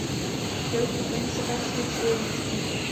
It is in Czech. Jeho stupeň se pak zvětší o jedničku.